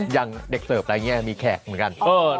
อย่างเด็กเสิร์ฟอะไรอย่างนี้มีแขกเหมือนกัน